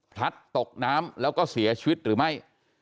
พลัดตกน้ำแล้วก็เสียชีวิตหรือไม่